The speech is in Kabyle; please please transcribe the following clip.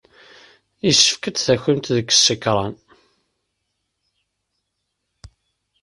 Yessefk ad d-takimt seg ssekṛan.